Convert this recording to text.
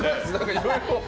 いろいろ。